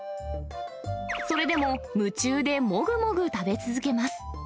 それでも夢中でもぐもぐ食べ続けます。